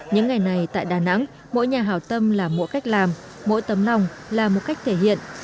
những ngày này tại đà nẵng mỗi nhà hào tâm là mỗi cách làm mỗi tấm lòng là một cách thể hiện